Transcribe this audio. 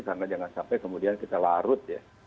karena jangan sampai kemudian kita larut